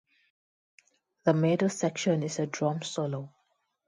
The middle section is a drum solo.